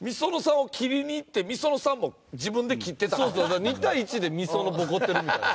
だから２対１でｍｉｓｏｎｏをボコってるみたいな。